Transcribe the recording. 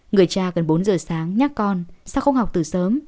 người cha gần bốn giờ sáng nhắc con sao không học từ sớm